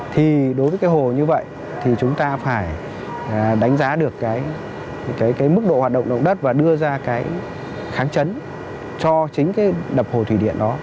thì đối với cái hồ như vậy thì chúng ta phải đánh giá được cái mức độ hoạt động động đất và đưa ra cái kháng chấn cho chính cái đập hồ thủy điện đó